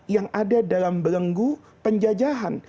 yang ada dalam belenggu penjajahan